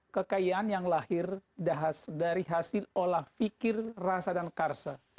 kekayaan yang lahir dari hasil olah fikir rasa dan karsa